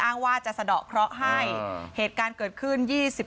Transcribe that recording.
ว่าจะสะดอกเคราะห์ให้เหตุการณ์เกิดขึ้น